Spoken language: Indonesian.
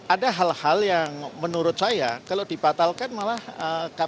ada hal hal yang menurut saya kalau dibatalkan malah kpk